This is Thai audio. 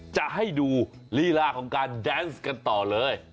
จะให้ดูลีลาของการแดนส์กันต่อเลย